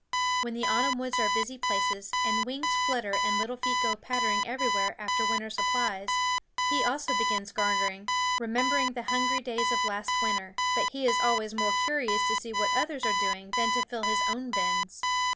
When the autumn woods are busy places, and wings flutter and little feet go pattering everywhere after winter supplies, he also begins garnering, remembering the hungry days of last winter. But he is always more curious to see what others are doing than to fill his own bins.